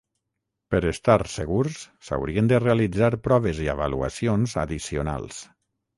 Per estar segurs s'haurien de realitzar proves i avaluacions addicionals.